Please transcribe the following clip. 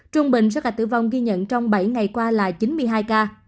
trung bình số ca tử vong ghi nhận trong bảy ngày qua là chín mươi hai ca